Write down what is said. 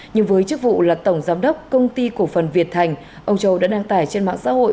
nhưng với chức vụ là tổng giám đốc công ty cổ phần việt thành